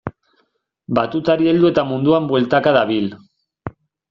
Batutari heldu eta munduan bueltaka dabil.